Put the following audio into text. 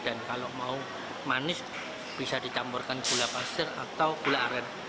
dan kalau mau manis bisa ditamburkan gula pasir atau gula aren